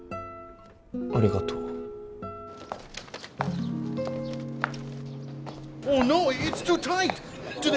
ありがとう。